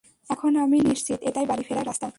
এখন আমি নিশ্চিত, এটাই বাড়ি ফেরার রাস্তা!